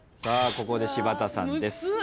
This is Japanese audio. さあここで柴田さんです。